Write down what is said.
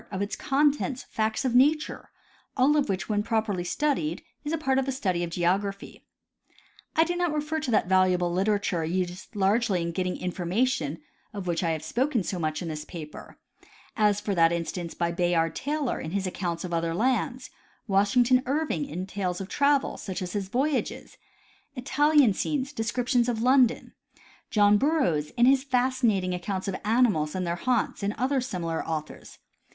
of its con tents, facts of nature, all of which when properly studied, is a part of the study of geography. I do not refer to that valuable literature used largely in getting information, of wdiich I have spoken so much in this paper, a^ that for instance, by Bayard Taylor, in his account of other lands ; Washington Irving, in tales of travel, such as his voyages, Italian scenes, description of London ; John Burroughs, in his fascinating accounts of animals and their haunts, and other similar authors.